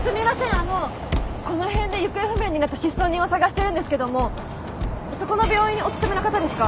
あのこの辺で行方不明になった失踪人を捜してるんですけどもそこの病院にお勤めの方ですか？